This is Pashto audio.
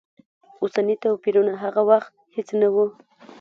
اوسني توپیرونه هغه وخت هېڅ نه و.